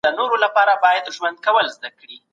مثبت فکر هدف نه خرابوي.